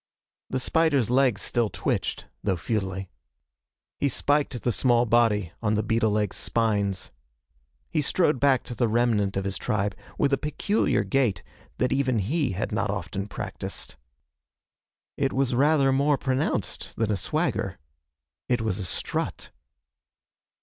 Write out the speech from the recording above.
The spider's legs still twitched, though futilely. He spiked the small body on the beetle leg's spines. He strode back to the remnant of his tribe with a peculiar gait that even he had not often practiced. It was rather more pronounced than a swagger. It was a strut.